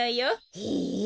へえ。